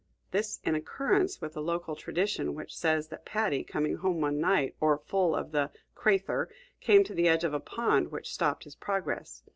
This in accordance with a local tradition which says that Paddy, coming home one night o'erfull of the "craithur," came to the edge of the pond, which stopped his progress.